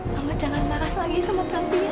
mama jangan marah lagi sama tanti ya